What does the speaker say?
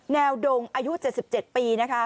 แนวดงอายุ๗๗ปีนะคะ